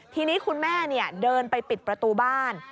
ทีนี้คุณแม่เดินไปปิดประตูบ้าน